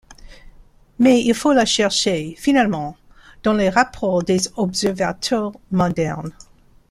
Mais il faut la chercher, finalement, dans les rapports des observateurs modernes.